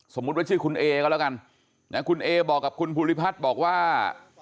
สมมุติว่าชื่อคุณเอก็แล้วกันนะคุณเอบอกกับคุณภูริพัฒน์บอกว่า